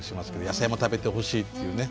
野菜も食べてほしいっていうね